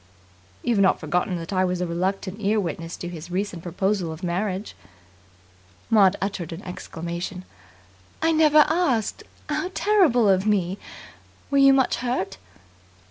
"You've not forgotten that I was a reluctant ear witness to his recent proposal of marriage?" Maud uttered an exclamation. "I never asked! How terrible of me. Were you much hurt?"